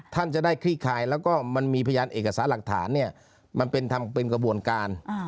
ท่านจะได้คลี่คลายแล้วก็มันมีพยานเอกสารหลักฐานเนี่ยมันเป็นทำเป็นกระบวนการ